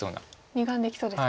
二眼できそうですか。